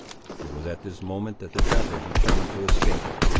It was at this moment that the trapper determined to escape.